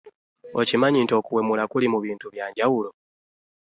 Okimanyi nti okuwemula kuli mu bintu byanjawulu?